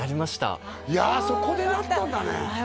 いやそこでなったんだねああ